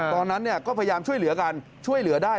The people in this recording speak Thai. ตอนนั้นก็พยายามช่วยเหลือกันช่วยเหลือได้